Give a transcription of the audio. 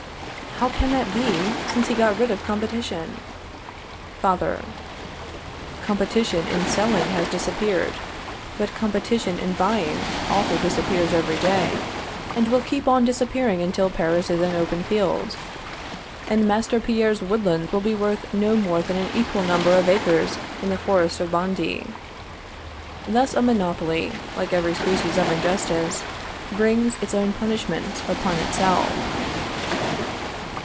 _ How can that be, since he got rid of competition? Father. Competition in selling has disappeared; but competition in buying also disappears every day, and will keep on disappearing until Paris is an open field, and Master Pierre's woodland will be worth no more than an equal number of acres in the forest of Bondy. Thus, a monopoly, like every species of injustice, brings its own punishment upon itself.